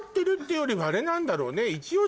あれなんだろうね。